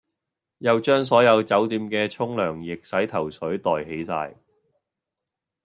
又將所有酒店既沖涼液洗頭水袋起哂